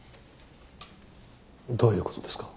どういうことですか？